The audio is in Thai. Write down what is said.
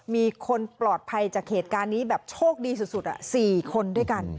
มีคนปลอดภัยจากเหตุการณ์นี้แบบโชคดีสุด๔คนด้วยกัน